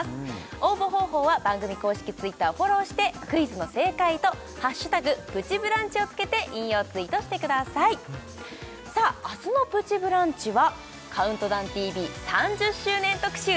応募方法は番組公式Ｔｗｉｔｔｅｒをフォローしてクイズの正解と「＃プチブランチ」をつけて引用ツイートしてくださいさあ明日の「プチブランチ」は「ＣＤＴＶ」３０周年特集